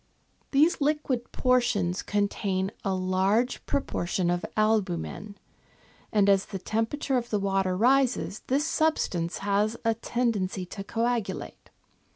These liquid portions contain a large pro portion of albumen, and as the temperature of the water rises this substance has a tendency to coagulate.